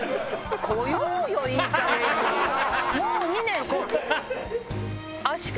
もう２年。